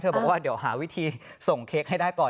บอกว่าเดี๋ยวหาวิธีส่งเค้กให้ได้ก่อน